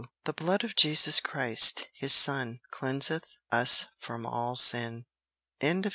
'The blood of Jesus Christ, His Son, cleanseth us from all sin.'" CHAPTER IV.